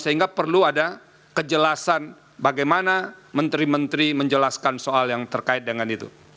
sehingga perlu ada kejelasan bagaimana menteri menteri menjelaskan soal yang terkait dengan itu